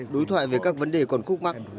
đối thoại về các vấn đề còn khúc mắt